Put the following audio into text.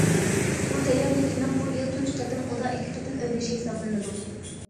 بۇ تەييار نېفىتنىڭ بۇ يىل تۇنجى قېتىم ئۇدا ئىككى قېتىم ئۆرلىشى ھېسابلىنىدۇ.